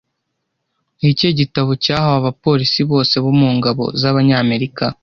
Ni ikihe gitabo cyahawe abapolisi bose bo mu ngabo z’Abanyamerika